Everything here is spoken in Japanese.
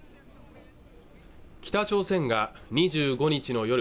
北朝鮮が２５日の夜